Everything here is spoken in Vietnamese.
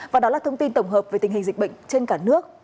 và đó là thông tin tổng hợp về tình hình dịch bệnh trên cả nước